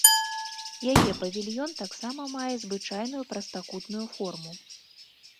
Яе павільён таксама мае звычайную прастакутную форму.